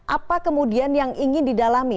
apa kemudian yang ingin didalami